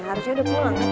harusnya udah pulang